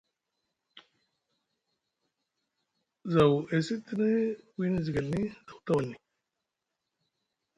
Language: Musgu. Zaw e sitini wiini zigelni zaw tawalni.